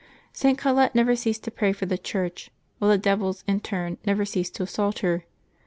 St. Colette never ceased to pray for the Church, while the devils, in turn, never ceased to assault her.